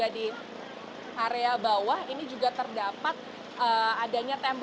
dan yang terdapat di atas